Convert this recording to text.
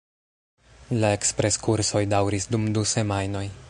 La ekspres-kursoj daŭris dum du semajnoj.